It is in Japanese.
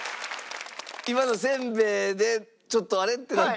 今のせんべいでちょっとあれ？ってなって。